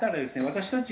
私たち